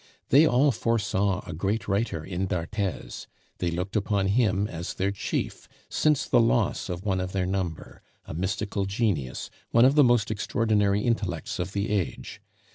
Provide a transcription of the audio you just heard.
They all foresaw a great writer in d'Arthez; they looked upon him as their chief since the loss of one of their number, a mystical genius, one of the most extraordinary intellects of the age.